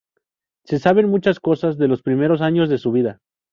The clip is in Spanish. Se saben muchas cosas de los primeros años de su vida.